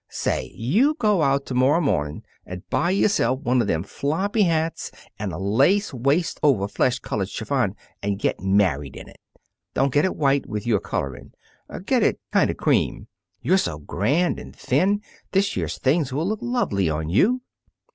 Say, you go out to morrow morning and buy yourself one of them floppy hats and a lace waist over flesh colored chiffon and get married in it. Don't get it white, with your coloring. Get it kind of cream. You're so grand and thin, this year's things will look lovely on you."